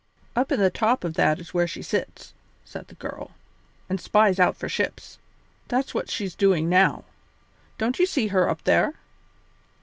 "Up in the top of that is where she sits," said the child, "and spies out for ships. That's what she's doing now. Don't you see her up there?"